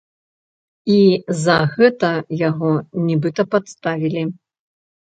І за гэта яго, нібыта, падставілі.